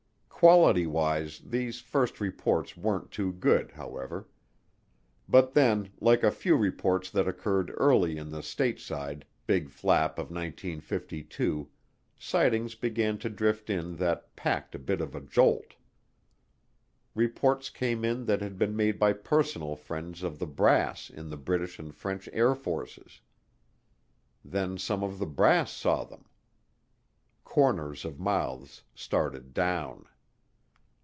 Quality wise these first reports weren't too good, however. But then, like a few reports that occurred early in the stateside Big Flap of 1952, sightings began to drift in that packed a bit of a jolt. Reports came in that had been made by personal friends of the brass in the British and French Air Forces. Then some of the brass saw them. Corners of mouths started down.